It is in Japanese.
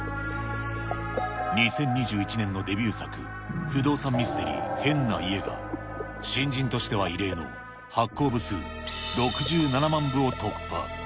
２０２１年のデビュー作、不動産ミステリー、変な家が、新人としては異例の発行部数６７万部を突破。